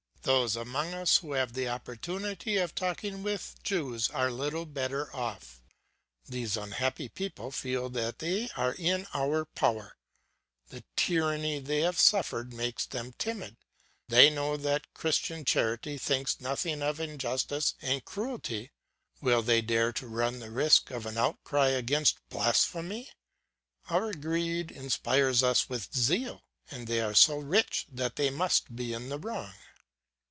"Those among us who have the opportunity of talking with Jews are little better off. These unhappy people feel that they are in our power; the tyranny they have suffered makes them timid; they know that Christian charity thinks nothing of injustice and cruelty; will they dare to run the risk of an outcry against blasphemy? Our greed inspires us with zeal, and they are so rich that they must be in the wrong.